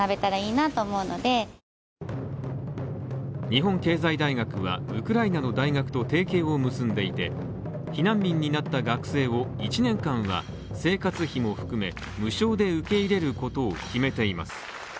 日本経済大学はウクライナの大学と提携を結んでいて避難民になった学生を１年間は生活費も含め無償で受け入れることを決めています。